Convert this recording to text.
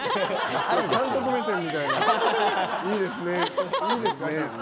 「いいですねぇ」。